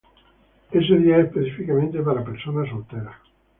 Este día es específicamente para personas solteras.